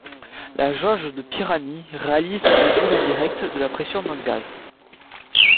La jauge de Pirani réalise une mesure indirecte de la pression d'un gaz.